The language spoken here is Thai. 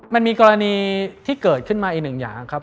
มันมีกรณีที่เกิดขึ้นมาอีกหนึ่งอย่างครับ